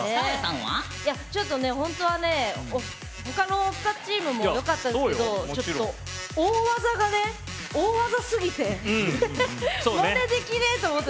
ちょっとね、本当は他の２チームもよかったんですけど大技が大技すぎてマネできねえ！って思った。